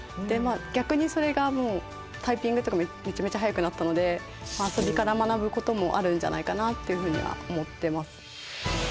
でまあ逆にそれがもうタイピングとかめちゃめちゃ速くなったので遊びから学ぶこともあるんじゃないかなっていうふうには思ってます。